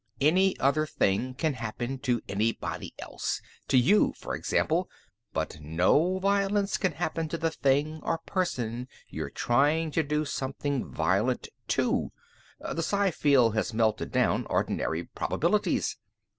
Any other thing can happen to anybody else to you, for example but no violence can happen to the thing or person you're trying to do something violent to. The psi field has melted down ordinary probabilities.